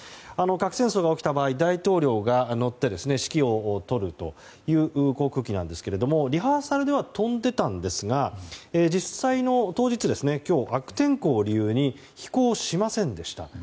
核戦争が起きた場合大統領が乗って指揮を執るという航空機なんですがリハーサルでは飛んでたんですが実際の当日、今日悪天候を理由に飛行しませんでした。